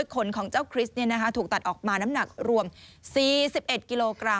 ขนของเจ้าคริสต์ถูกตัดออกมาน้ำหนักรวม๔๑กิโลกรัม